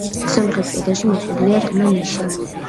სამხრეთ კედელში მოწყობილია ღრმა ნიშა.